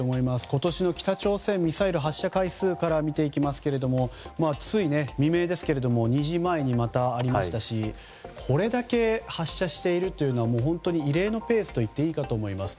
今年の北朝鮮ミサイル発射回数から見ていきますけれどもつい未明ですが２時前に、またありましたしこれだけ発射しているというのは本当に、異例のペースと言っていいと思います。